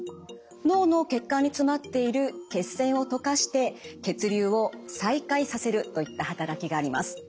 脳の血管に詰まっている血栓を溶かして血流を再開させるといった働きがあります。